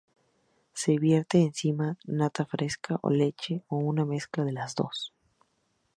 Se vierte encima nata fresca o leche o una mezcla de las dos.